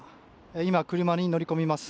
今、車に乗り込みます。